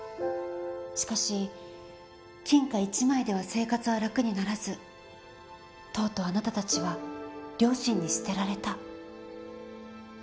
しかし金貨１枚では生活は楽にならずとうとうあなたたちは両親に捨てられた。